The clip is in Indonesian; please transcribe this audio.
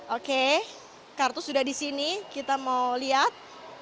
oke kartu sudah di sini kita mau lihat